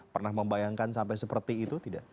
pernah membayangkan sampai seperti itu tidak